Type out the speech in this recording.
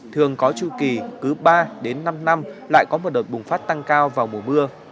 thường có chu kỳ cứ ba đến năm năm lại có một đợt bùng phát tăng cao vào mùa mưa